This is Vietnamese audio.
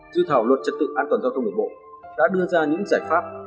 dư thảo luật trật tự an toàn giao thông nguồn bộ đã đưa ra những giải pháp